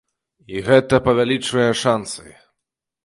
І гэта павялічвае шансы.